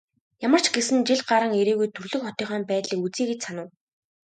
Ямар ч гэсэн жил гаран ирээгүй төрөлх хотынхоо байдлыг үзье гэж санав.